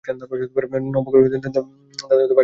নবগোপাল বললে, দাদা পাঁজি ভুলেছ, এটা সত্যযুগ নয়।